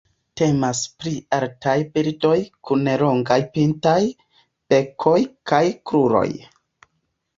Temas pri altaj birdoj kun longaj pintaj bekoj kaj kruroj.